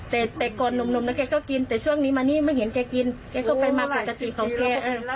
แต่ก่อนหนุ่มนะแกก็กินแต่ช่วงนี้มานี่ไม่เห็นแกกินแกก็ไปมาปกติของแก